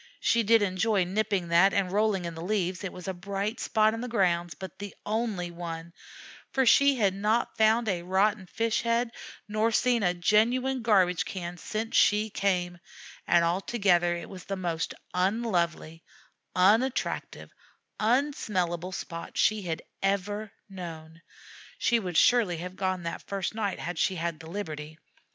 She did enjoy nipping that and rolling in the leaves; it was a bright spot in the grounds; but the only one, for she had not found a rotten fish head nor seen a genuine garbage can since she came, and altogether it was the most unlovely, unattractive, unsmellable spot she had ever known. She would surely have gone that first night had she had the liberty.